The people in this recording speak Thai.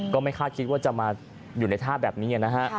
ก็ไม่คาดคิดว่าจะมาอยู่ในท่าแบบนี้นะฮะ